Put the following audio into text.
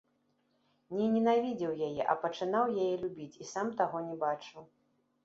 Не ненавідзеў яе, а пачынаў яе любіць і сам таго не бачыў.